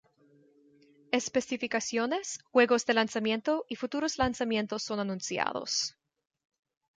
Especificaciones, juegos de lanzamiento y futuros lanzamientos son anunciados.